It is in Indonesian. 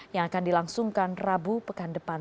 yang akan dilangsungkan rabu pekan depan